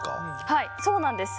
はいそうなんです。